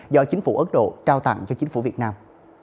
do chính phủ ấn độ trao tặng cho chính phủ việt nam